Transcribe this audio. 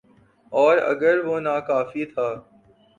اوراگر وہ ناکافی تھا۔